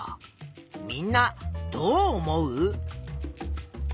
みんなどう思う？